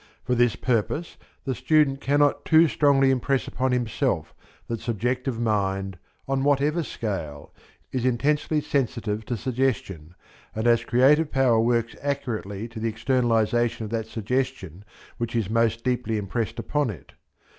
For this purpose the student cannot too strongly impress upon himself that subjective mind, on whatever scale, is intensely sensitive to suggestion, and as creative power works accurately to the externalization of that suggestion which is most deeply impressed upon it.